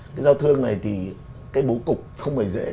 cái giao thương này thì cái bố cục không phải dễ